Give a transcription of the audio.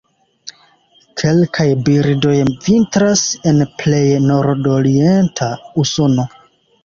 Kelkaj birdoj vintras en plej nordorienta Usono.